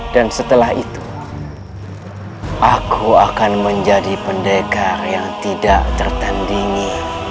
dan setelah itu aku akan menjadi pendekar yang tidak tertandingi